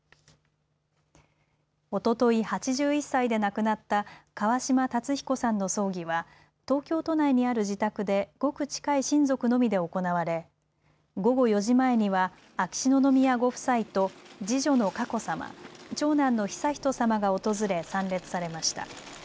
おととい、８１歳で亡くなった川嶋辰彦さんの葬儀は東京都内にある自宅でごく近い親族のみで行われ午後４時前には秋篠宮ご夫妻と次女の佳子さま、長男の悠仁さまが訪れ参列されました。